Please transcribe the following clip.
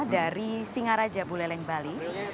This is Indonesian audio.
dari singaraja buleleng bali